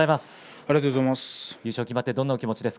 ありがとうございます。